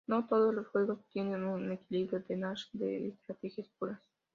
No todos los juegos tienen un equilibrio de Nash de estrategias puras.